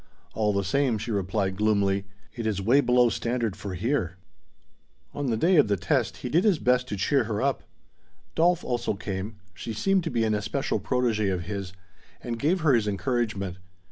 "All the same," she gloomily replied, "it is way below standard for down here." On the day of the test, he did his best to cheer her up. Dolf also came she seemed to be an especial protege of his and gave her his encouragement.